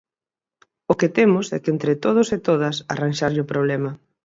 O que temos é que, entre todos e entre todas, arranxarlle o problema.